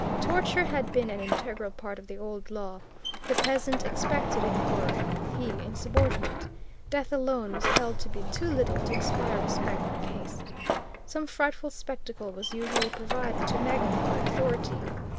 Torture had been an integral part of the old law. The peasant expected it were he insubordinate. Death alone was held to be too little to inspire respect for caste. Some frightful spectacle was usually provided to magnify authority.